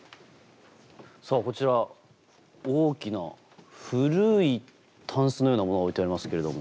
さあこちら大きな古い箪笥のようなものが置いてありますけれども。